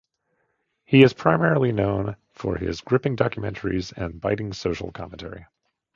He is primarily known for his gripping documentaries and biting social commentary.